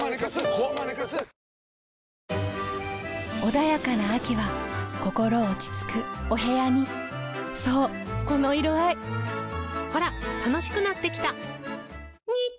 穏やかな秋は心落ち着くお部屋にそうこの色合いほら楽しくなってきた！